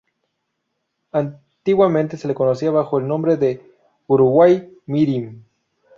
Antiguamente se lo conocía bajo el nombre de Uruguai-Mirim.